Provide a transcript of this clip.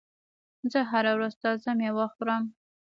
زه هره ورځ تازه مېوه خورم.